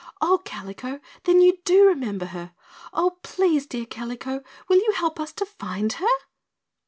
"Oh, Kalico then you DO remember her! Oh, please, dear Kalico, will you help us to find her?"